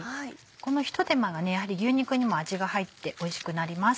このひと手間がやはり牛肉にも味が入っておいしくなります。